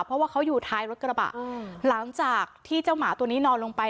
เพราะว่าเขาอยู่ท้ายรถกระบะหลังจากที่เจ้าหมาตัวนี้นอนลงไป